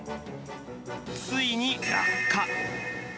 ついに落下。